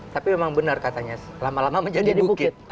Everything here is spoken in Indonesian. tapi memang benar katanya lama lama menjadi bukit